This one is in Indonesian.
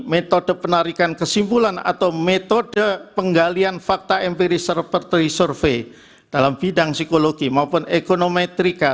metode penarikan kesimpulan atau metode penggalian fakta empiris reperty survei dalam bidang psikologi maupun ekonomi trika